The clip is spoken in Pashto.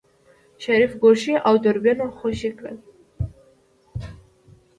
شريف ګوشي او دوربين خوشې کړل.